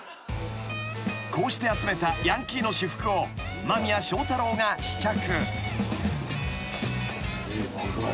［こうして集めたヤンキーの私服を間宮祥太朗が試着］